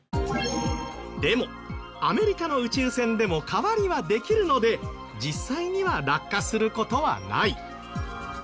でもアメリカの宇宙船でも代わりはできるので実際には落下する事はない。